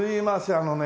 あのね